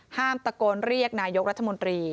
ตะโกนเรียกนายกรัฐมนตรี